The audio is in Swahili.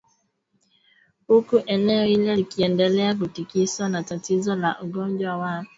huku eneo hilo likiendelea kutikiswa na tatizo la ugonjwa wa